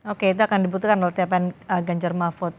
oke itu akan dibutuhkan oleh tiapan ganjar mahfud